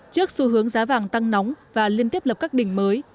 trước xu hướng giá vàng tăng nóng và liên tiếp lập các đỉnh mới